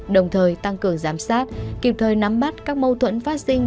đồng thời tăng cường giám sát kịp thời nắm bắt các mâu thuẫn phát sinh